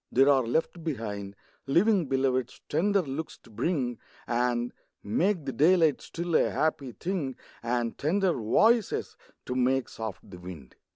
there are left behind Living Beloveds, tender looks to bring, And make the daylight still a happy thing, And tender voices, to make soft the wind.